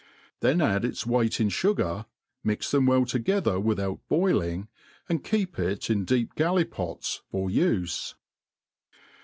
Then add its weight in fugarj mix them well tc^ther without boiling, and keep it in deep gallipots for ufe.